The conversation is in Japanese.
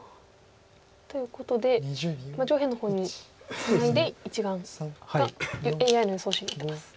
ということで上辺の方にツナいで１眼がＡＩの予想手に出てます。